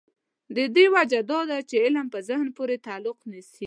د دې وجه دا ده چې علم په ذهن پورې تعلق نیسي.